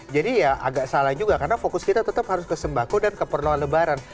jadi ya agak salah juga karena fokus kita tetap harus ke sembako dan keperluan lebaran